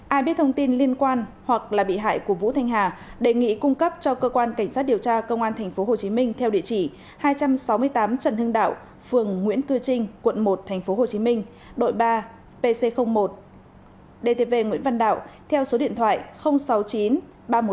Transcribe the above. ai biết thông tin liên quan hoặc là bị hại của vũ thành hà đề nghị cung cấp cho cơ quan cảnh sát điều tra công an tp hcm